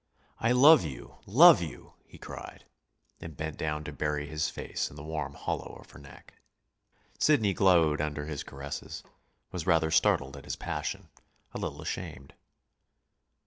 "I love you, love you!" he cried, and bent down to bury his face in the warm hollow of her neck. Sidney glowed under his caresses was rather startled at his passion, a little ashamed.